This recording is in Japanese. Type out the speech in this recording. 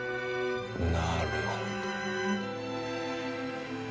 なるほど。